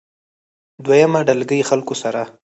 دويمه ډلګۍ خلکو سره